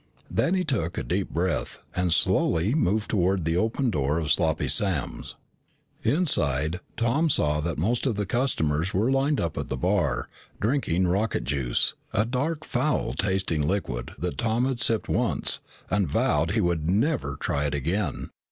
Then he took a deep breath and slowly moved toward the open door of Sloppy Sam's. Inside, Tom saw that most of the customers were lined up at the bar, drinking rocket juice, a dark foul tasting liquid that Tom had sipped once and vowed he would never try again.